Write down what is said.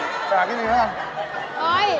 จะหากินอีกแล้วกัน